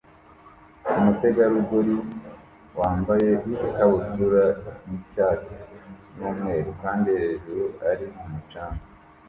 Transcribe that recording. Umutegarugori wambaye ikabutura y'icyatsi n'umweru kandi hejuru ari ku mucanga